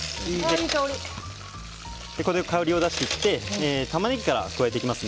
これで香りを出してタマネギから加えていきます。